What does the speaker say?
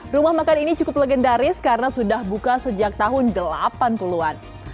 rumah makan ini cukup legendaris karena sudah buka sejak tahun delapan puluh an